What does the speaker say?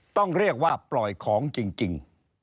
ต้องเรียกว่าปล่อยของจริง